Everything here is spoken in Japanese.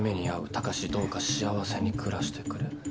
孝どうか幸せに暮らしてくれ」。